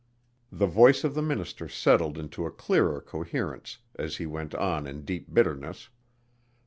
The voice of the minister settled into a clearer coherence as he went on in deep bitterness.